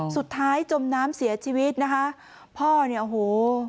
จมน้ำเสียชีวิตนะคะพ่อเนี่ยโอ้โห